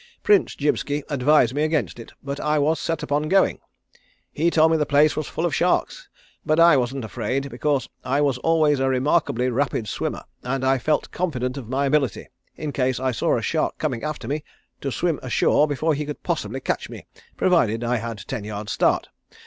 Prince Jibski advised me against it, but I was set upon going. He told me the place was full of sharks, but I wasn't afraid because I was always a remarkably rapid swimmer, and I felt confident of my ability, in case I saw a shark coming after me, to swim ashore before he could possibly catch me, provided I had ten yards start.